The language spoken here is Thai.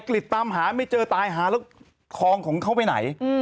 กลิดตามหาไม่เจอตายหาแล้วคลองของเขาไปไหน